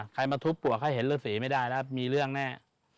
มาทุบปลวกให้เห็นฤษีไม่ได้แล้วมีเรื่องแน่